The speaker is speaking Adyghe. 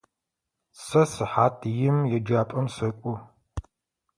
Сэ сыхьат им еджапӏэм сэкӏо.